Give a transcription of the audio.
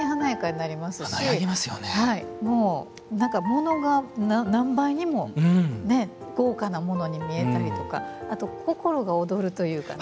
何かものが何倍にも豪華なものに見えたりとかあと心が躍るというかね。